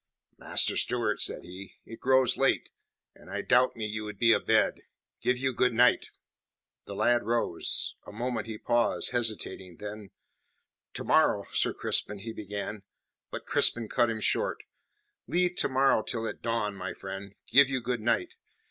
"Master Stewart," said he, "it grows late, and I doubt me you would be abed. Give you good night!" The lad rose. A moment he paused, hesitating, then "To morrow, Sir Crispin " he began. But Crispin cut him short. "Leave to morrow till it dawn, my friend. Give you good night.